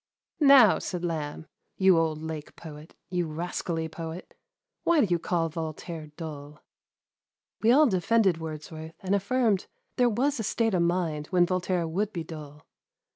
*' Now," said Lamb, " you old lake poet, you ras cally poet, why do you call Voltaire dull ?" We all defended Wordsworth, and affirmed there was a state of mind when Voltaire would be dull.